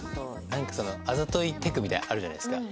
なんかあざといテクみたいなのあるじゃないですか。